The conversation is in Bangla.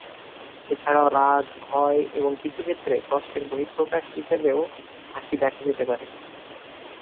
এছাড়াও রাগ, ভয় এবং কিছুক্ষেত্রে কষ্টের বহিঃপ্রকাশ হিসেবেও হাসি দেখা যেতে পারে।